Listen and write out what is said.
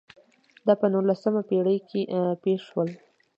دا په نولسمه پېړۍ کې پېښ شول.